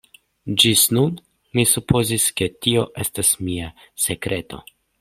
Ĝis nun mi supozis ke tio estas mia sekreto.